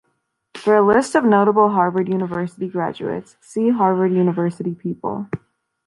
For a list of notable Harvard University graduates, see Harvard University people.